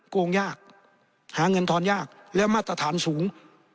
โกงยากหาเงินทอนยากและมาตรฐานสูง